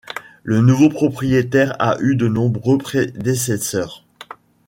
Le nouveau propriétaire a eu de nombreux prédécesseurs.